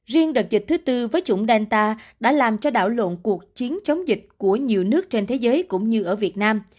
riêng đợt dịch thứ tư với chủng delta đã làm cho đảo lộn cuộc chiến chống dịch của nhiều nước trên thế giới cũng như ở việt nam